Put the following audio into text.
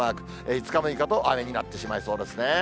５日、６日と雨になってしまうんですね。